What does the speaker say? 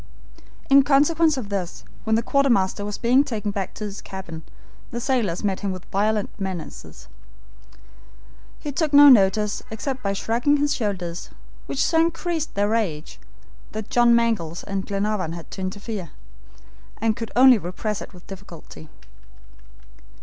In consequence of this, when the quartermaster was being taken back to his cabin, the sailors met him with violent menaces. He took no notice except by shrugging his shoulders, which so increased their rage, that John Mangles and Glenarvan had to interfere, and could only repress it with difficulty.